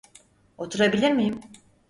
Oturabilir miyim?